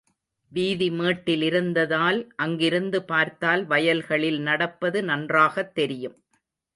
வீதி மேட்டிலிருந்ததால், அங்கிருந்து பார்த்தால் வயல்களில் நடப்பது நன்றாகத் தெரியும்.